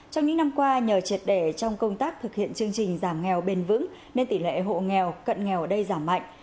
trong những năm qua nhờ triệt để trong công tác thực hiện chương trình giảm nghèo bền vững nên tỷ lệ hộ nghèo cận nghèo ở đây giảm mạnh